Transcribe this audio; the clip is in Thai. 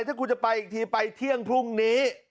ถ้าคุณจะไปอีกทีไปเที่ยงพรุ่งนี้